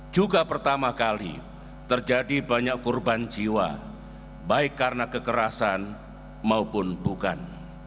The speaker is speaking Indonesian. juga pertama kali terjadi banyak korban jiwa baik karena kekerasan maupun bukan